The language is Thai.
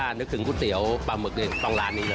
อ่ะนึกถึงกูเตี๋ยวปลาหมึกตรงร้านนี้เลย